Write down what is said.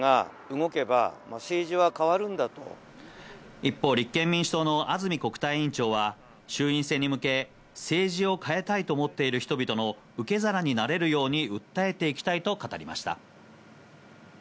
一方、立憲民主党の安住国対委員長は衆院選に向け、政治を変えたいと思っている人々の受け皿になれるように訴えていきたいと語りました。